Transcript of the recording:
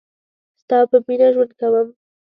ستا په میینه ژوند کوم